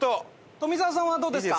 富澤さんはどうですか？